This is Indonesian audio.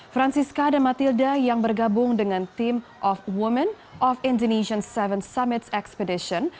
francisca dan matilda yang bergabung dengan tim of women of indonesian tujuh summits expedition